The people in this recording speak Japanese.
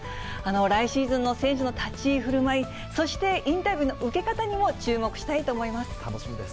来シーズンの選手の立ち居ふるまい、そして、インタビューの受け方にも注目したいと思います。